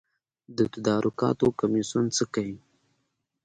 د تدارکاتو کمیسیون څه کوي؟